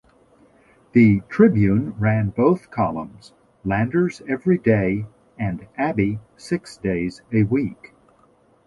The "Tribune" ran both columns, Landers every day and Abby six days a week.